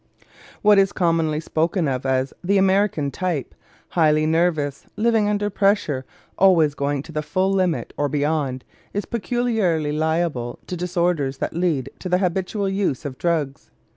What is commonly spoken of as the "American type," highly nervous, living under pressure, always going to the full limit, or beyond, is peculiarly liable to disorders that lead to the habitual use of drugs.